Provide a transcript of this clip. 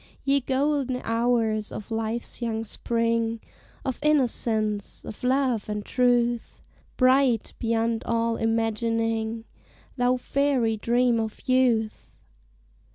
Ye golden hours of Life's young spring, Of innocence, of love and truth! Bright, beyond all imagining, Thou fairy dream of youth!